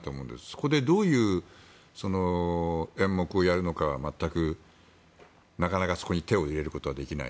そこでどういう演目をやるのかは全く、なかなか、そこに手を入れることはできない。